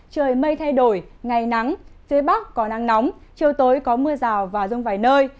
trời mây thay đổi ngày nắng phía bắc có nắng nóng chiều tối có mưa rào và rông vài nơi